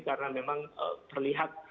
karena memang terlihat